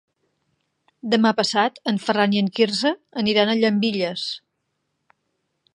Demà passat en Ferran i en Quirze aniran a Llambilles.